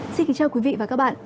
xin kính chào quý vị và các bạn